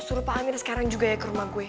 suruh pak amir sekarang juga ya ke rumah kue